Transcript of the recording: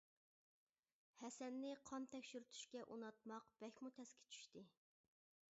ھەسەننى قان تەكشۈرتۈشكە ئۇناتماق بەكمۇ تەسكە چۈشتى.